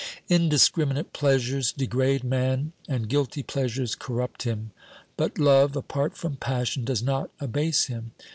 Indiscriminate pleasures degrade man and guilty pleasures corrupt him, but love, apart from passion, does not abase him.